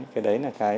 cái đấy là cái